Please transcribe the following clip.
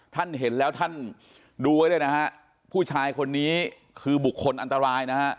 ท่านเห็นแล้วท่านดูไว้เลยนะฮะผู้ชายคนนี้คือบุคคลอันตรายนะฮะ